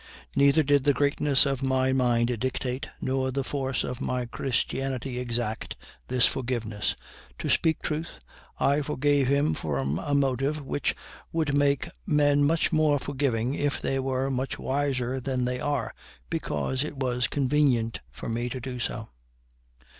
Neither did the greatness of my mind dictate, nor the force of my Christianity exact, this forgiveness. To speak truth, I forgave him from a motive which would make men much more forgiving if they were much wiser than they are, because it was convenient for me so to do.